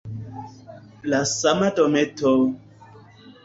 La sama dometo!